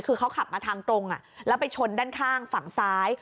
คือเขาขับมาทางตรงแล้วไปชนด้านข้างฝั่งซ้าย